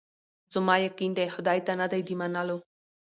زما یقین دی خدای ته نه دی د منلو